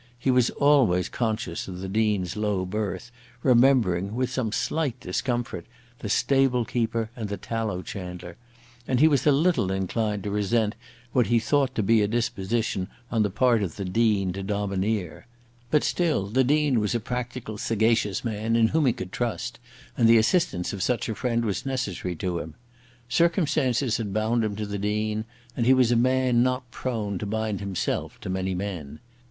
He was always conscious of the Dean's low birth, remembering, with some slight discomfort, the stable keeper and the tallow chandler; and he was a little inclined to resent what he thought to be a disposition on the part of the Dean to domineer. But still the Dean was a practical, sagacious man, in whom he could trust; and the assistance of such a friend was necessary to him. Circumstances had bound him to the Dean, and he was a man not prone to bind himself to many men.